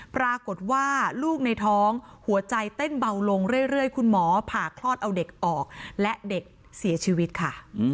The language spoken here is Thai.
ปรากฏว่าลูกในท้องหัวใจเต้นเบาลงเรื่อยคุณหมอผ่าคลอดเอาเด็กออกและเด็กเสียชีวิตค่ะ